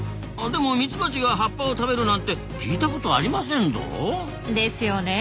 でもミツバチが葉っぱを食べるなんて聞いたことありませんぞ。ですよね。